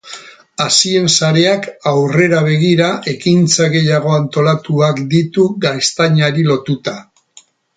Hazien sareak aurrera begira ekintza gehiago antolatuak ditu gaztainari lotuta.